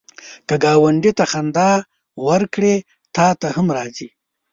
که ګاونډي ته خندا ورکړې، تا ته هم راځي